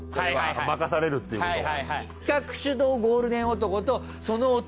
任されるっていうことは。